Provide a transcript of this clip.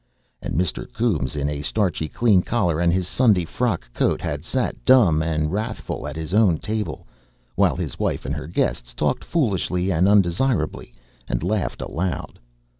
And Mr. Coombes, in a starchy, clean collar and his Sunday frock coat, had sat dumb and wrathful at his own table, while his wife and her guests talked foolishly and undesirably, and laughed aloud.